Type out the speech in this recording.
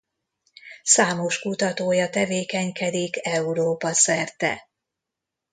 Számos kutatója tevékenykedik Európa-szerte.